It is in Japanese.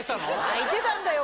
はいてたんだよ